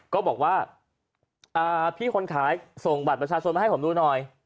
ก็บอกว่าพี่คนขายส่งบัตรประชาชนมาให้ผมดูหน่อย